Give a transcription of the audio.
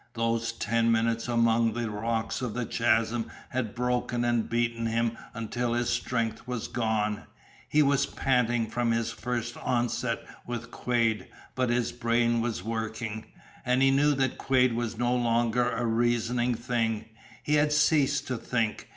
Those ten minutes among the rocks of the chasm had broken and beaten him until his strength was gone. He was panting from his first onset with Quade, but his brain was working. And he knew that Quade was no longer a reasoning thing. He had ceased to think.